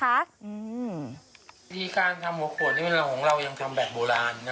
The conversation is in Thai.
การทำหัวโขนของเรายังทำแบบโบราณ